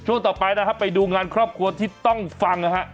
ช่วงต่อไปนะครับไปดูงานครอบครัวที่ต้องฟังนะฮะ